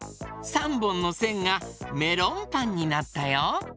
３ぼんのせんがメロンパンになったよ。